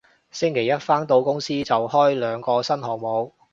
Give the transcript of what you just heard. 星期一返到公司就開兩個新項目